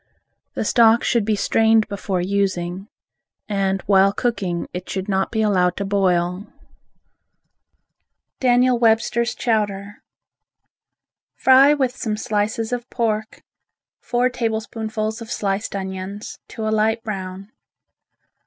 The stock should be strained before using, and while cooking it should not be allowed to boil. Daniel Webster's Chowder Fry with some slices of pork, four tablespoonfuls of sliced onions, to a light brown.